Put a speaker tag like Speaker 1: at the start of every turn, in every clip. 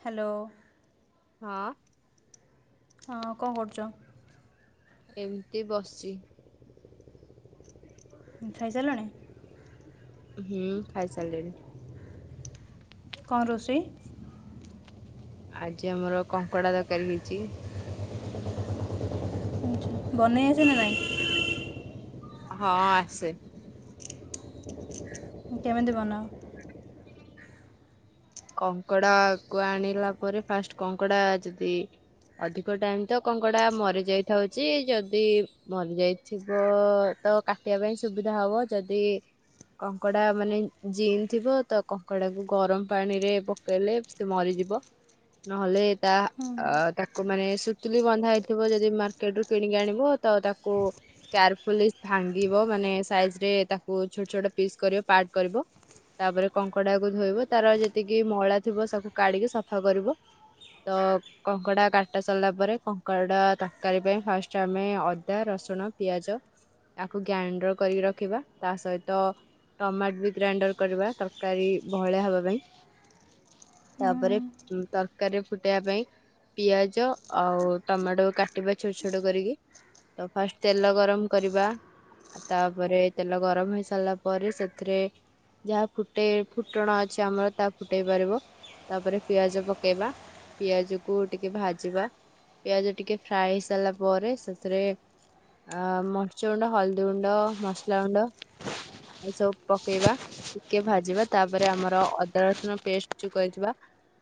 Speaker 1: Hello.
Speaker 2: ହଁ।
Speaker 1: ହଁ କଣ କରୁଚ?
Speaker 2: ଏମିତି ବସିଛି।
Speaker 1: ହୁଁ ଖାଇସାଇଲଣି?
Speaker 2: ହୁଁ ଖାଇ ସାଇଲିଣୀ
Speaker 1: କଣ ରୋଷେଇ?
Speaker 2: ଆଜି ଆମର କଙ୍କଡା ତରକାରୀ ହେଇଚି।
Speaker 1: ବନେଇ ଆସେ ନା ନାଇଁ?
Speaker 2: ହଁ ଆସେ।
Speaker 1: [inaudible] କେମିତି ବନାଅ?
Speaker 2: କଙ୍କଡା କୁ ଆଣିଲା ପରେ ଫାଷ୍ଟ କଙ୍କଡା ଯଦି ଅଧିକ ଟାଇମ୍ ତ କଙ୍କଡା ମରି ଯାଇଥାଉଚି ଯଦି ମରିଯାଇ ଥିବ ତ କାଟିବା ପାଇଁ ସୁବିଧା ହବ ଯଦି କଙ୍କଡା ମାନେ ଜିଇଁ ଥିବ ତ କଙ୍କଡା କୁ ଗରମ ପାଣିରେ ପକେଇଲେ ସେ ମରିଯିବ ନହେଲେ ତା
Speaker 1: ହୁଁ
Speaker 2: ଆ ତାକୁ ମାନେ ସୁତୁଲି ବନ୍ଧା ହେଇଥିବ ଯଦି ମାର୍କେଟ ରୁ କିଣିକି ଆଣିବ ତ ତାକୁ କାୟାରଫୁଲି ଭାଙ୍ଗିବ ମାନେ ସାଇଜ ରେ ତାକୁ ଛୋଟ ଛୋଟ ପିସ୍ କର ପାର୍ଟ କରିବ। ତାପରେ କଙ୍କଡାକୁ ଧୋଇବ ତାର ଯେତିକି ମଇଳା ଥିବ ସବୁ କାଢିକି ସଫା କରିବ। ତ କଙ୍କଡା କାଟା ସରିଲା ପରେ କଙ୍କଡା ତ ତରକାରୀ ପାଇଁ ଫାଷ୍ଟ ଆମେ ଅଦା ରସୁଣ ପିଆଜ ତାକୁ ଗ୍ରାଇଣ୍ଡର କରିକି ରଖିବା ତା ସହିତ ଟମାଟ ବି ଗ୍ରାଇଣ୍ଡର କରିବା ତରକାରୀ ବହଳିଆ ହବା ପାଇଁ।
Speaker 1: ହୁଁ
Speaker 2: ତାପରେ ଉଁ ତରକାରୀରେ ଫୁଟେୟା ପାଇଁ ପିଆଜ ଆଉ ଟମାଟୋ କାଟିବା ଛୋଟ ଛୋଟ କରିକି। ତ ଫାଷ୍ଟ ତେଲ ଗରମ କରିବା। ଆ ତାପରେ ତେଲ ଗରମ ହେଇ ସାରିଲା ପରେ ସେଥିରେ ଯାହା ଫୁଟେଇ ଫୁଟଣ ଆ ଛି ଆମର ତାହା ଫୁଟେଇ ପାରିବ। ତାପରେ ପିଆଜ ପକେଇବା। ପିଆଜ କୁ ଟିକେ ଭାଜିବା। ପିଆଜ ଟିକେ ଫ୍ରାଏ ହେଇ ସାରିଲା ପରେ ସେଥିରେ ଆ ମରଚଗୁଣ୍ଡ ହଳଦିଗୁଣ୍ଡ ମସଲାଗୁଣ୍ଡ। ଏଇ ସବୁ ପକେଇବା। ଟିକେ ଭାଜିବା ତାପରେ ଆମ ଅଦା ରସୁଣ ପେଷ୍ଟ ଯଉ କରିଥିବା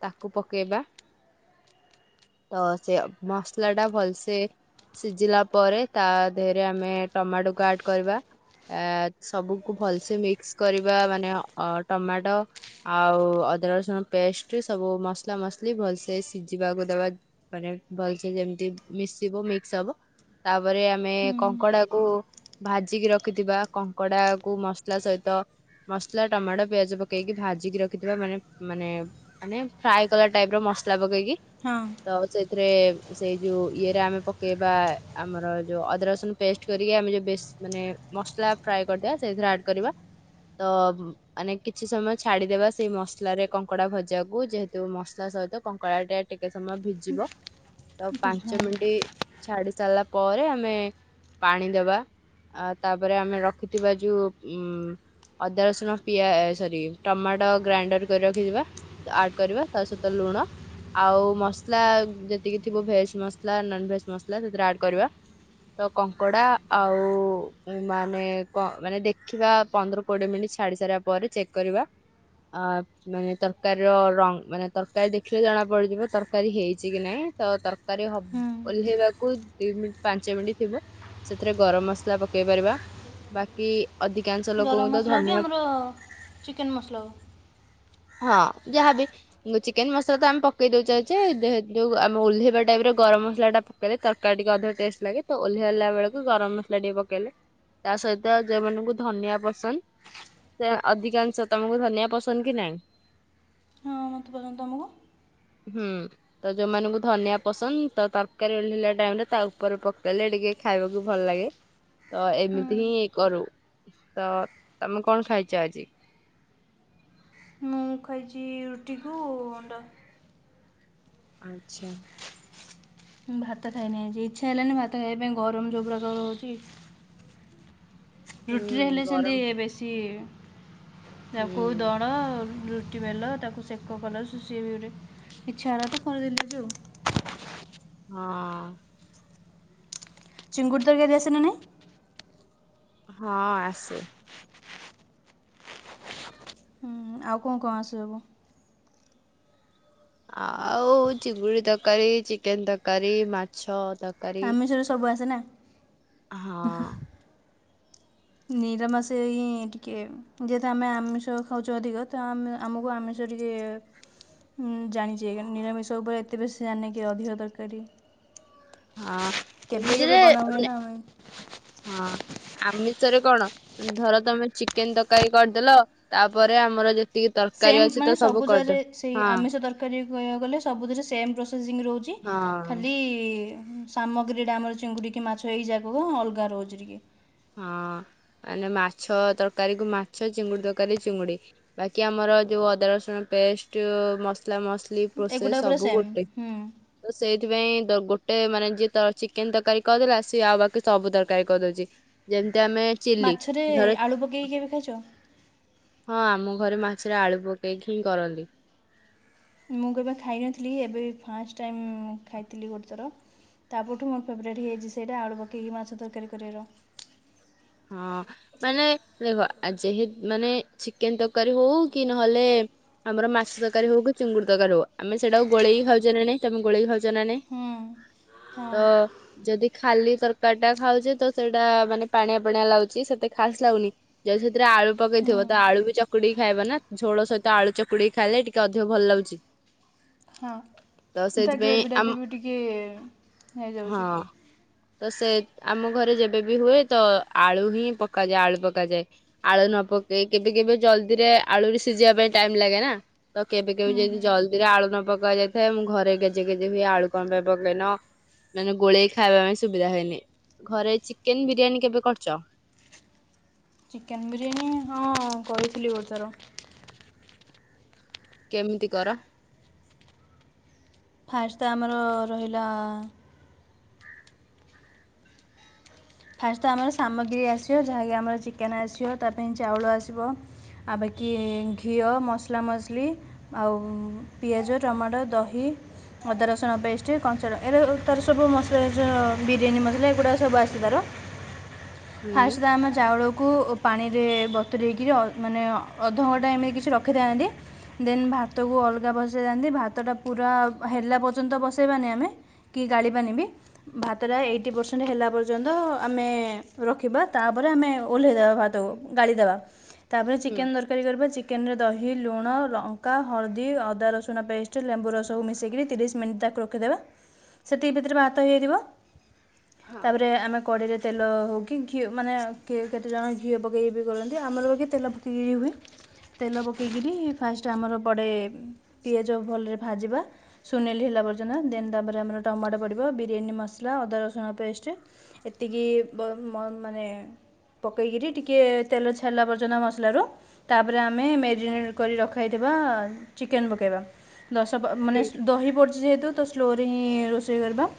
Speaker 2: ତାକୁ ପକେଇବା। ତ ସେ ମସଲା ଟା ଭଲସେ ସିଝିଲା ପରେ ତା ଦେହରେ ଆମେ ଟମାଟୋକୁ ଆଡ କରିବା। ଏ ସବୁକୁ ଭଲସେ ମିକ୍ସ କରିବା ମାନେ ଅ ଟମାଟୋ ଆଉ ଅଦା ରସୁଣ ପେଷ୍ଟ ସବୁ ମସଲା ମସଲି ଭଲସେ ସିଝିବାକୁ ଦବା। ମାନେ ଭଲସେ ଯେମିତି ମିଶିବ ମିକ୍ସ ହବ। ତାପରେ ଆମେ
Speaker 1: ହୁଁ
Speaker 2: କଙ୍କଡାକୁ ଭାଜିକି ରଖିଥିବା କଙ୍କଡାକୁ ମସଲା ସହିତ ମସଲା ଟମାଟ ପିଆଜ ପକେଇକି ଭା ଜିକି ରଖିଥିବା ମାନେ ମାନେ ମାନେ ଫ୍ରାଏ କଲା ଟାଇପର ମସଲା ପକେଇକି।
Speaker 1: ହଁ।
Speaker 2: ତ ସେଇଥିରେ ସେଇ ଯୋଉ ଇଏରେ ଆମେ ପକେଇବା, ଆମର ଯୋଉ ଅଦା ରସୁ ପେଷ୍ଟ କରିକି ଆମେ ଯୋଉ ବେଶୀ ମାନେ ମସଲା ଫ୍ରାଏ କରିଦବା, ସେଇଥିରେ ଆଡ କରିବା ତ ମାନେ କିଛି ସମୟ ଛାଡ଼ିଦେବା ସେଇ ମସଲାରେ କଙ୍କଡ଼ା ଭଜାକୁ ଯେହେତୁ ମସଲା ସହିତ କଙ୍କଡ଼ାଟା ଟିକେ ସମୟ ଭିଜିବ।
Speaker 1: [inaudible]
Speaker 2: ଅ ପାଞ୍ଚ
Speaker 1: ହଁ
Speaker 2: ମିନିଟ ଛାଡି ସାରିଲା ପରେ ଆମେ ପାଣି ଦବା। ଆ ତାପରେ ଆମେ ରଖିଥିବା ଯୋଉ ଉ ଅଦା ରସୁଣ ପିଆ ସରି ଟମାଟ ଗ୍ରାଇଣ୍ଡର କରି ରଖିଥିବା ଆଡ କରିବା। ତା ସହିତ ଲୁଣ ଆଉ ମସଲା ଯେତିକି ଥିବ ଭେଜ ମସଲା, ନନ ଭେଜ ମସଲା ସେଥିରେ ଆଡ କରିବା। ତ କଙ୍କଡ଼ା ଆଉ ମାନେ କ ମାନେ ଦେଖିବା ପନ୍ଦର କୋଡିଏ ମିନିଟ୍ ଛାଡ଼ି ସାରିବା ପରେ ଚେକ୍ କରିବା। ଆ ମାନେ ତରକାରୀର ରଙ୍ଗ ମାନେ ତରକାରୀ ଦେଖିଲେ ଜଣା ପଡିଯିବ ତରକାରୀ ହେଇଚି କି ନାଇଁ ତ ତରକାରୀ ହବ
Speaker 1: ହୁଁ।
Speaker 2: ଓହ୍ଲେଇବାକୁ ଦି ମିନିଟ ପାଞ୍ଚ ମିନିଟ୍ ଥିବ ସେଥିରେ ଗରମ ମସଲା ପକେଇ ପାରିବା। ବାକି ଅଧିକାଂଶ ଲୋକଙ୍କୁ ତ ଧନିଆ
Speaker 1: ଚିକେନ ମସଲା କ?
Speaker 2: ହଁ ଯାହାବି। ଚିକେନ ମସଲା ତ ଆମେ ପକେଇ ଦଉଚଚେ ଯେହେତୁ ଆମେ ଓହ୍ଲେଇବା ଟାଇମ ରେ ଗରମ ମସଲା ଟା ପକେଇଲେ ତରକାରୀ ଟିକେ ଅଧିକ ଟେଷ୍ଟ ଲାଗେ, ତ ଓହ୍ଆ ହେଲା ବଳକୁ ଗରମ ମସଲା ଟିକେ ପକେଇଲେ। ତା ସହିତ ଯୋଉ ମାନଙ୍କୁ ଧନିଆ ପସନ୍ଦ। ସେୟା ଅଧିକାଂଶ ତମକୁ ଧନିଆ ପସନ୍ଦ କି ନାଇଁ।
Speaker 1: ହଁ ମତେ ପସନ୍ଦ ତ।
Speaker 2: ହୁଁ ତ ଯୋଉମାନଙ୍କୁ ଧନିଆ ପସନ୍ଦ ତ ତରକାରୀ ଓହ୍ଲେଇଲା ଟାଇମ୍ ରେ ତା ଉପରେ ପକେଇଲେ ଟିକେ। ଖାଇବାକୁ ଭଲ ଲାଗେ ତ
Speaker 1: ହୁଁ
Speaker 2: ଏମିତି ହିଁ କରୁ। ତ ତମେ କଣ ଖାଇଛ ଆଜି।
Speaker 1: ମୁଁ ଖାଇଛି ରୁଟିକୁ ଅଣ୍ଡା।
Speaker 2: ଆଚ୍ଛା।
Speaker 1: ଭାତ ଖାଇନି ଆଜି ଇଚ୍ଛା ହେଲାନି ଭାତ ଖାଇବା ପାଇଁ ଗରମ ଯୋଉ ପ୍ରକାର ହଉଛି। ରୁଟିରେ
Speaker 2: ହୁଁ
Speaker 1: ହେଲେ ସେମତି
Speaker 2: ଗରମ
Speaker 1: ବେଶୀ ତାକୁ।
Speaker 2: ହୁଁ
Speaker 1: ଦଳ ରୁଟି ବେଲ ତାକୁ ସେକ କଲ ସିଏ ବି ଗୋଟେ ଇଚ୍ଛା ହେଲା ତ କରିଦେଲେ ବି ଆଉ।
Speaker 2: ହଁ।
Speaker 1: ଚିଙ୍ଗୁଡ଼ି ତରକାରୀ ଆସେ ନା ନାଇଁ।
Speaker 2: ହଁ ଆସେ।
Speaker 1: ହୁଁ ଆଉ କଣ କଣ ଆସେ ସବୁ।
Speaker 2: ଆଉ ଚିଙ୍ଗୁଡି ତରକାରୀ ଚିକେନ ତରକାରୀ ମାଛ। ଛଅ ତରକାରୀ।
Speaker 1: ଆମିଷରେ ସବୁ ଆସେ ନା।
Speaker 2: ହଁ।
Speaker 1: ନିରମାସେ ହିଁ ଟିକେ ଯେହେତୁ ଆମେ ଆମିଷ ଖାଉଛୁ ଅଧିକ ତ ଆମକୁ ଆମିଷ। ଶ ଟିକେ। ଉଁ ଜାଣିଛି ନିରାମିଷ ଉପରେ ଏତେ ବେଶୀ ଜାଣିନି କିି ଅଧିକ ତରକାରୀ।
Speaker 2: ହଁ
Speaker 1: କେବେ କେବେ
Speaker 2: ଏମିତିରେ
Speaker 1: ବନା ହୁଏ
Speaker 2: ଏବେନା
Speaker 1: ନା
Speaker 2: ହଁ। ଆମିଷରେ କଣ ଧର ତମେ ଚିକେନ ତରକାରୀ କରିଦେଲ ତାପରେ ଆମର ଯେ।
Speaker 1: ସେମ୍ ମାନେ ସବୁଜରେ ସେଇ
Speaker 2: ହଁ
Speaker 1: ଆମିଷ ତରକାରୀ କହିବାକୁ ଗଲେ ସବୁଥିରେ ସେମ୍ ପ୍ରୋସେସିଙ୍ଗ୍ ରହୁଛି।
Speaker 2: ହଁ
Speaker 1: ଖାଲି ସାମଗ୍ରୀ ଟା ଆମର ଚିଙ୍ଗୁଡିକି ମାଛ ଏଇଯାକକ ଅଲଗା ରହୁଚି ଟିକେ।
Speaker 2: ହଁ ମାନେ ମାଛ ତରକାରୀ କୁ ମାଛ ଚିଙ୍ଗୁଡି ତରକାରୀ ଚିଙ୍ଗୁଡି। ବାକି ଆମର ଯୋଉ ଅଦା ରସୁଣ ପେଷ୍ଟ ମସଲା ମସଲି। ଲି
Speaker 1: ଏଗୁଡ଼ା
Speaker 2: ପ୍ରୋସେସ୍
Speaker 1: ପୁରା
Speaker 2: ସବୁ
Speaker 1: ସେମ୍
Speaker 2: ଗୋଟେ।
Speaker 1: ହୁଁ
Speaker 2: ତ ସେଇଥିପାଇଁ ଗୋଟେ ମାନେ ଯିଏ ତ ଚିକେନ ତରକାରୀ କରିଦେଲା ସିଏ ଆଉ ବାକି ସବୁ ତରକାରୀ କହିଦଉଛି। ଯେମିତି ଆମେ।
Speaker 1: ମାଛରେ ଆଳୁ ପକେଇକି କେବେ ଖାଇଛ।
Speaker 2: ହଁ ଆମ ଘରେ ମାଛରେ ଆଳୁ ପକେଇକି ହିଁ କରନ୍ତି।
Speaker 1: ମୁଁ କେବେ ଖାଇନଥିଲି ଏବେ ଫାଷ୍ଟ ଟାଇମ୍ ମୁଁ ଖାଇଥିଲି ଗୋଟେ ଥର। ତା ପରଠୁ ମୋ ଫେଭରେଟ୍ ହେଇଯାଇଛି ସେଇଟା ଆଳୁ ପକେଇକି ମାଛ ତରକାରୀ କରିବାର।
Speaker 2: ହଁ। ମାନେ ଦେଖ ଆଯେହେତୁ ମାନେ ଚିକେନ ତରକାରୀ ହଉ କି ନହେଲେ। ଆମର ମାଛ ତରକାରୀ ହଉ କି ଚିଙ୍ଗୁଡ଼ି ତରକାରୀ ହଉ ଆମେ ସେଇଟାକୁ ଗୋଳେଇକି ଖାଉଛେ ନା ନାହିଁ। ତମେ ଗୋଳେଇ ଖାଉଛ ନା ନାଇଁ
Speaker 1: ହୁଁ ହଁ
Speaker 2: ତ। ଯଦି ଖାଲି ତରକାରୀ ଟା ଖାଉଛେ ତ ସେଇଟା ମାନେ ପାଣିଆ ପାଣିଆ ଲାଗୁଛି ସେତେ ଖାସ ଲାଗୁନି। ଯଦି ସେଥିରେ ଆଳୁ
Speaker 1: ହୁଁ
Speaker 2: ପକେଇଥିବ ତ ଆଳୁ ବି ଚକୁଡି ଖାଇବ ନା ଝୋଳ ସହିତ ଆଳୁ ଚକୁଡି ଖାଇଲେ ଟିକେ ଅଧିକ ଭଲ ଲାଗୁଛି।
Speaker 1: ହଁ
Speaker 2: ତ
Speaker 1: ତା
Speaker 2: ସେଇଥିପାଇଁ
Speaker 1: ଗ୍ରେଭି ଡା ବି
Speaker 2: ଆମ
Speaker 1: ବି ଟିକେ ଇଏ ହେଇଯାଉଛି।
Speaker 2: ହଁ ତ ସେ ଆମ ଘରେ ଯେବେବି ହୁଏ ତ ଆଳୁ ହିଁ ପକାଯାଏ ଆଳୁ ପକାଯାଏ। ଆଳୁ ନ ପକେଇ କେବେ କେବେ ଜଲଦିରେ ଆଳୁ ବି ସିଝିବା ପାଇଁ ଟାଇମ ଲାଗେ ନା। ତ କେବେ କେବେ
Speaker 1: ହୁଁ
Speaker 2: ଯଦି
Speaker 1: ହୁଁ
Speaker 2: ଜଲ୍ଦିରେ ଆଳୁ ନ ପକାଯାଇଥାଏ ମୁଁ ଘରେ ଗେଜେ ଗେଜେ ହୁଏ ଆଳୁ କଣ ପାଇଁ ପକେଇନ। ମାନେ ଗୋଳେଇ ଖାଇବା ପାଇଁ ସୁବିଧା ହେଇନି ଘରେ ଚିକେନ ବିରିୟାନୀ କେବେ କରିଛ। ଚ।
Speaker 1: ଚିକେନ ବିରିୟାନୀ ହଁ କହିଥିଲି ଗୋଟେ ଥର।
Speaker 2: କେମିତି କର।
Speaker 1: ଫାଷ୍ଟ ତ ଆମର ରହିଲା। ଫାଷ୍ଟ ଆମର ସାମଗ୍ରୀ ଆସିବ ଯାହାକି ଆମର ଚିକେନ ଆସିବ ତା ପାଇଁ ଚାଉଳ ଆସିବ- ଆ ବାକି ଘିଅ ମସଲା ମସଲି- ଆଉ ପିଆଜ, ଟମାଟୋ, ଦହି। ଅଦା ରସୁଣ ପେଷ୍ଟ କଞ୍ଚା, ଏ ତାର ସବୁ ମସଲା ଏ ବିରିୟାନୀ ମସଲା। ଏଗୁଡ଼ା ସବୁ ଆସିଛି ତାର
Speaker 2: ହୁଁ
Speaker 1: ଫାସଟ୍ ତ ଆମ ଚାଉଳକୁ ଉ ପାଣିରେ ବତୁୁରେଇକିରି ମାନେ ଅଧଘଣ୍ଟା ଏମିତି କିଛି ରଖିଥାନ୍ତି। ଦେନ୍ ଭାତକୁ ଅଲଗା ବସେଇଥାନ୍ତି, ଭାତ ଟା ପୁରା ହେଲା ପର୍ଯ୍ୟନ୍ତ ବସେଇବାନି ଆମେ କି ଗାଳିିବାନି ବିି ଭାତଟା ଏଇଟି ପରସେଣ୍ଟ ହେଲା ପର୍ଯ୍ୟନ୍ତ ଆମେ ରଖିବା। ତାପରେ ଆମେ ଓଲ୍ହେଇ ଦବା ଭାତକୁ, ଗଲିଦବା। ତାପରେ
Speaker 2: ହୁଁ।
Speaker 1: ଚିକେନ ପେହି କରିବା ଚିକେନ ରେ ଦହି, ଲୁଣ, ଲଙ୍କା, ହଳଦୀ, ଅଦା ରସୁଣ ପେଷ୍ଟ, ଲେମ୍ବୁ ରସକୁ ମିଶେଇକିରି ତିରିଶ ମାନେ ତାକୁ ରଖିଦେବା, ସେତିକି ଭିତରେ ଭାତ ହେଇ ଯାଇଥିବ।
Speaker 2: ହଁ
Speaker 1: ତାପରେ ଆମେ କଡିରେ ତେଲ ହଉ କି ଘିଅ ମାନେ କିଏ କେତେ ଜଣ ଘିଅ ପକେଇ ବି ଗୋଳାନ୍ତି ଆମର ବାକି ତେଲ ପକେଇକିରି ହୁଏ। ତେଲ ପକେଇକିରି ଫାଷ୍ଟ ଆମର ପଡ଼େ ପିଆଜ ଭଲରେ ଭାଜିବା। ସୁନେଲି ହେଲା ପର୍ଯ୍ୟନ୍ତ, ଦେନ୍ ତାପରେ ଆମର ଟମାଟୋ ପଡ଼ିବ ବିରିୟାନୀ ମସଲା ଅଦା ରସୁଣ ପେଷ୍ଟ ଏତିକି ବ ମନ୍ ମାନେ ପକେଇକିରି ଟିକେ ତେଲ ଛାଡ଼ିଲା ପର୍ଯ୍ୟନ୍ତ ମସଲା ର। ତାପରେ ଆମେ ମ୍ୟାରିନେଟ୍ କରି ରଖାହେଇଥିବା ଚିକେନ ପକାଇବା। ଦଶ ପ
Speaker 2: ହୁଁ
Speaker 1: ମାନେ ଦହି ପର୍ ଯେହେତୁ ତ ସ୍ଲୋରେ ହିଁ ରୋଷେଇ କରିବା।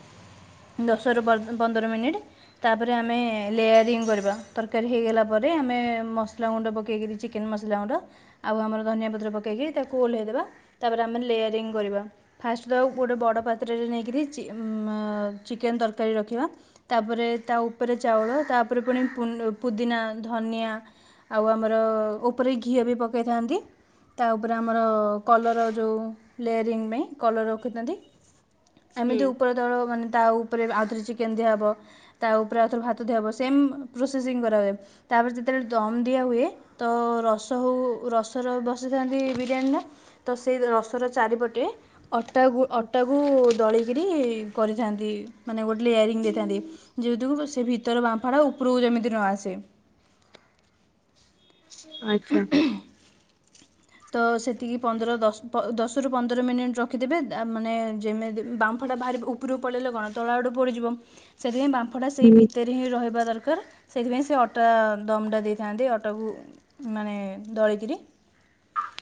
Speaker 1: ଦଶରୁ ପନ୍ଦର ମିନିଟ୍। ତାପରେ ଆମେ ଲେୟାରିଙ୍ଗ କରିବା ତରକାରୀ ହେଇଗଲା ପରେ ଆମେ ମସଲା ଗୁଣ୍ଡ ପକାଇକିରି ଚିକେନ ମସଲା ଗୁଣ୍ଡ। ଆଉ ଆମର ଧନିଆ ପତ୍ର ପକେଇକି ତାକୁ ଓଲ୍ହେଇ ଦେବା। ତାପରେ ଆମେ ଲେୟାରିଙ୍ଗ କରିବା। ଫାଷ୍ଟ ତାକୁ ଗୋଟେ ବଡ଼ ପାତ୍ରରେ ନେଇକିରି ଚି ଉମ ଅ ଚିକେନ ତରକାରୀ ରଖିବା। ତାପରେ ତା ଉପେରେ ଚାଉଳ ତାପରେ ପୁଣି ପୁନ ପୁଦିନା ଧନିଆ ଆଉ ଆମର ଓପେରେ ଘିଅ ବି ପକେଇଥାନ୍ତି। ତା ଓପେରେ ଆମର ଅ କଲର ଯୋଉ ଲେୟାରିଙ୍ଗ ବେଇଁ କଲର ରଖିଥାନ୍ତି।
Speaker 2: ହୁଁ
Speaker 1: ଏମିତି ଉପରେ ତଳ ଉ ମାନେ ତା ଉପରେ ଆଉଥରେ ଚିକେନ ଦିଆ ହବ। ତା ଉପରେ ଆଉଥରେ ଭାତ ଦିଆ ହବ ସେମ୍ ପ୍ରୋସେସିଙ୍ଗ କରାହୁଏ। ତାପରେ ଯେତେବେଳେ ଦମ ଦିଆ ହୁଏ ତ ରସ ହଉ ରସର ବସେଇ ଥାନ୍ତି ବି ଚିକେନ ଟା ତ ସେ ରସର ଚାରି ପଟେ ଅଟା ଗୁ ଅଟା କୁ ଦଳି କି କରିଥାନ୍ତି ମାନେ ଗୋଟେ ଲେୟାରିଙ୍ଗ ଦେଇଥାନ୍ତି। ସେଇଯୋଗୁ ପୁରା ସେ ଭିତର ବାମ୍ଫାଟା ଉପୁରୁକୁ ଯେମିତି ନ ଆସେ।
Speaker 2: ଆଚ୍ଛା।
Speaker 1: ତ ସେତିକି ପନ୍ଦର ଦଶ ପ ଦଶରୁ ପନ୍ଦର ମିନିଟ୍ ରଖିଦେବେ ଏତ ଆ ମାନେ ଯେମିତି ବାମ୍ଫଟା ବାହାରି ଉ ଉପୁରୁ ପଳେଇଲେ କଣ ତଳ ଆଡ଼ୁ ପୋଡି ଯିବ ସେଥିପାଇଁ ବାମ୍ଫଟା ସେଇ ଭି
Speaker 2: ହୁଁ
Speaker 1: ଭିତେରେ ହିଁ ରହିବା ଦରକାର ସେଇଥିପାଇଁ ସେ ଅଟା ଦମ ଟା ଦେଇଥାନ୍ତି ଅଟାକୁ ମାନେ ଦଳିକିରି।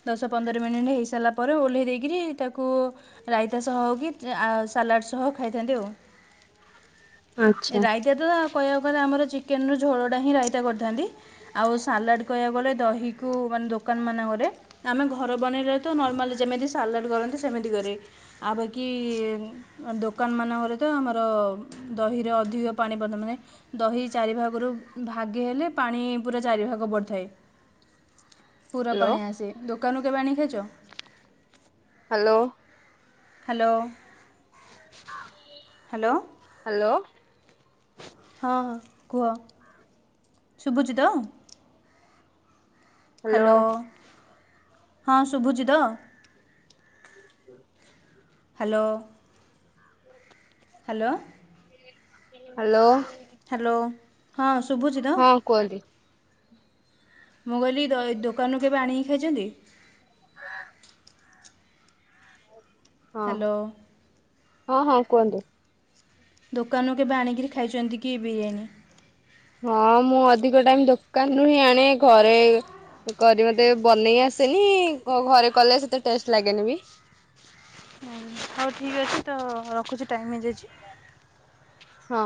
Speaker 1: ଦଶ ପନ୍ଦର ମିନିଟ୍ ହେଇ ସାରିଲା ପରେ ଓଲ୍ହେଇ ଦେଇକିରି ତାକୁ- ରାଇତା ସହ ହଉ କି ଉଁ ଆ ସାଲାଡ ସହ ଖାଇଥାନ୍ତି ଆଉ।
Speaker 2: ଆଚ୍ଛା।
Speaker 1: ରାଇ କେତେ ତ କହିଆକୁ ଗଲେ ଆମର ଚିକେନ ର ଝୋଳଟା ହିଁ ରାଇତା କରଥାନ୍ତି। ଆଉ ସାଲାଡ଼ କହିଆକୁ ଗଲେ ଦହିକୁ ମାନେ ଦୋକାନ ମାନଙ୍କରେ ଆମେ ଘର ବନେଇଲେ ତ ନର୍ମାଲି ଯେମିତି ସାଲାଡ଼ କରନ୍ତି ସେମିତି କରିବେ। ଆଉ ଵାକିି ଦୋକାନ ମାନଙ୍କରେ ତ ଆମର ଦହିରେ ଅଧିକ ପାଣି ପସାନ୍ତି ନାଇଁ। ଦହି ଚାରି ଭାଗୁରୁ ଭାଗେ ହେଲେ ପାଣି ପୁରା ଚାରି ଭାଗ ବଡିଥାଏ। ପୁରା
Speaker 2: ହ୍ୟାଲୋ
Speaker 1: ପାଣିଆ ଆସେ ଦୋକାନୁ କେବେ ଆଣି ଖାଇଚ?
Speaker 2: ହାଲୋ?
Speaker 1: ହାଲୋ? ହାଲୋ?
Speaker 2: ହାଲୋ।
Speaker 1: ହଁ ହଁ କୁହ। ଶୁବୁଚିତ?
Speaker 2: ହ୍ୟାଲୋ
Speaker 1: ହାଲୋ ହଁ ଶୁଭୁଚିତ? ହାଲୋ। ହ୍ୟାଲୋ।
Speaker 2: ହାଲୋ।
Speaker 1: ହ୍ୟାଲୋ ହଁ ଶୁଭୁଛି ତ?
Speaker 2: [unintelligible]
Speaker 1: ମୁଁ କହିଲି ଦ ଏ ଦୋକାନୁରୁ କେବେ ଆଣିକି ଖାଇଚନ୍ତି?
Speaker 2: ହଁ
Speaker 1: ହ୍ୟାଲୋ
Speaker 2: ହଁ ହଁ କୁଅନ୍ତୁ।
Speaker 1: ଦୋକାନାରୁ କେବେ ଆଣିକିରି ଖାଇଚନ୍ତି କି ବିରିୟାନୀ?
Speaker 2: ହଁ ମୁଁ ଅଧିକ ଟାଇମ ଦୋକାନରୁ ହିଁ ଆଣେ ଘରେ କରି ମତେ ବନେଇ ଆସେନି କଉ ଘରେ କଲେ ସେତେ ଟେଷ୍ଟ ଲାଗେନି ବି।
Speaker 1: ହୁଁ ହଉ ଠିକ୍ ଅଛି ତ ମୁଁ ରଖୁଚି ଟାଇମ ହେଇଯାଇଚି।
Speaker 2: ହଁ।